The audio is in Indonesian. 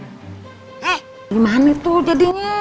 eh gimana tuh jadinya